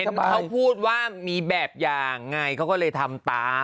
เขาพูดว่ามีแบบอย่างไงเขาก็เลยทำตาม